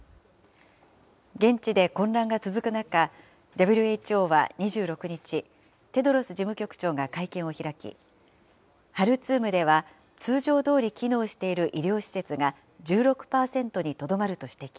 現地で混乱が続く中、ＷＨＯは２６日、テドロス事務局長が会見を開き、ハルツームでは通常どおり機能している医療施設が１６％にとどまると指摘。